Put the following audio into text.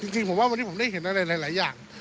จริงผมว่าวันนี้ผมได้เห็นอะไรหลายอย่าง